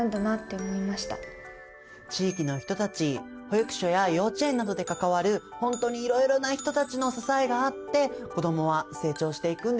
地域の人たち保育所や幼稚園などで関わるほんとにいろいろな人たちの支えがあって子どもは成長していくんですよね。